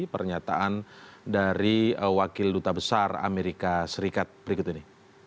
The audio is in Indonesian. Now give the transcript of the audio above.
pernyataan dari wakil duta besar amerika serikat berikut ini